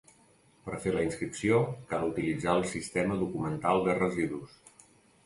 Per fer la inscripció cal utilitzar el Sistema Documental de Residus.